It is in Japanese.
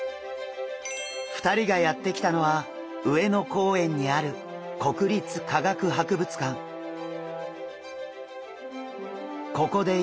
２人がやって来たのは上野公園にあるここで今特別展